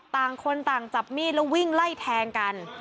ต่างคนต่างจับมีดแล้ววิ่งไล่แทงกัน